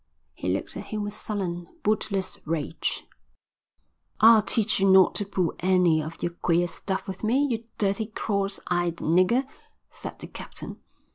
He looked at him with sullen, bootless rage. "I'll teach you not to pull any of your queer stuff with me, you dirty, cross eyed nigger," said the captain.